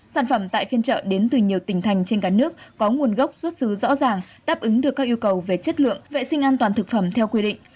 sản phẩm tại phiên chợ đến từ nhiều tỉnh thành trên cả nước có nguồn gốc xuất xứ rõ ràng đáp ứng được các yêu cầu về chất lượng vệ sinh an toàn thực phẩm theo quy định